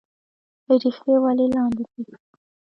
ریښې ولې لاندې ځي؟